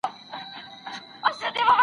حکومتونه به د جګړې مخه ونیسي.